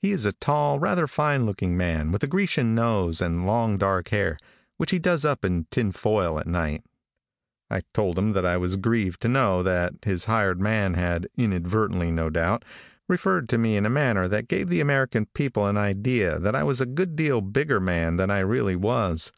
He is a tall, rather fine looking man, with a Grecian nose and long, dark hair, which he does up in tin foil at night. I told him that I was grieved to know that his hired man had, inadvertently no doubt, referred to me in a manner that gave the American people an idea that I was a good deal bigger man than I really was.